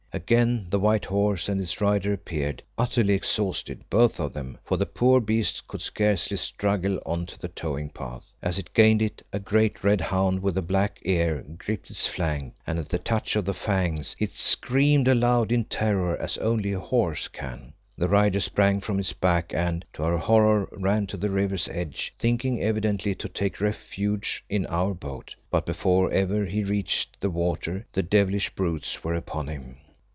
Again the white horse and its rider appeared, utterly exhausted, both of them, for the poor beast could scarcely struggle on to the towing path. As it gained it a great red hound with a black ear gripped its flank, and at the touch of the fangs it screamed aloud in terror as only a horse can. The rider sprang from its back, and, to our horror, ran to the river's edge, thinking evidently to take refuge in our boat. But before ever he reached the water the devilish brutes were upon him.